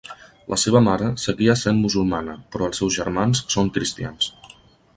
La seva mare seguia sent musulmana, però els seus germans són cristians.